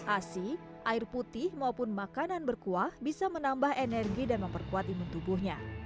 asi air putih maupun makanan berkuah bisa menambah energi dan memperkuat imun tubuhnya